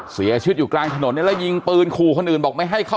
เสียชีวิตอยู่กลางถนนเนี่ยแล้วยิงปืนขู่คนอื่นบอกไม่ให้เข้า